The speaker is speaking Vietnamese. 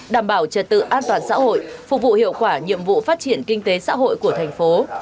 đảm bảo trật tự an toàn xã hội phục vụ hiệu quả nhiệm vụ phát triển kinh tế xã hội của thành phố